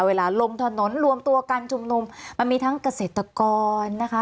ลงถนนรวมตัวกันชุมนุมมันมีทั้งเกษตรกรนะคะ